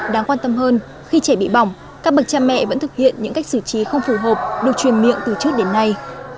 đáng quan tâm hơn khi trẻ bị bỏng các bậc cha mẹ vẫn thực hiện những cách xử trí không phù hợp được truyền miệng từ trước đến nay